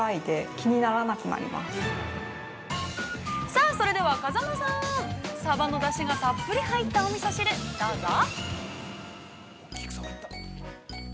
◆さあ、それでは、風間さんサバのだしがたっぷり入ったおみそ汁、どうぞ。